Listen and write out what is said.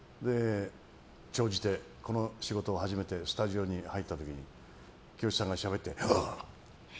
長じて、この仕事を始めてスタジオに入った時にしゃべっててあ！